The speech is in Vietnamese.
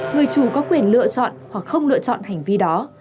người chủ có quyền lựa chọn hoặc không lựa chọn hành vi đó